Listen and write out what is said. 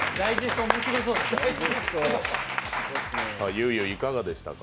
ゆいゆい、いかがでしたか？